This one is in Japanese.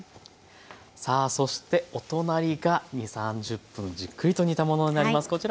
さあそしてお隣が２０３０分じっくりと煮たものになります。